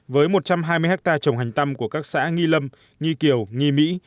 với một trăm hai mươi hectare trồng hành tăm của các xã nghi lâm nghi kiều nghi mỹ